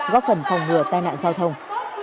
góp phần phòng ngừa tai nạn giao thông